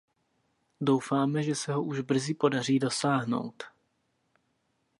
Doufáme, že se ho už brzy podaří dosáhnout.